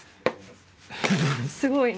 すごいね。